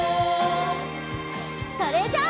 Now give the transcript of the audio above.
それじゃあ。